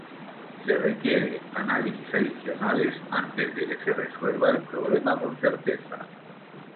Se requiere análisis adicionales antes de que se resuelva el problema con certeza.